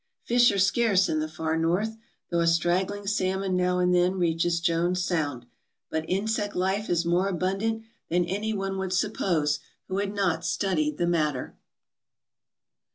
Fish are scarce in the far North, though a straggling salmon now and then reaches Jones Sound; but insect life is more abun dant than any one would suppose who had not studied the matter.